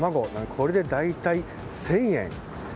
これで大体１０００円。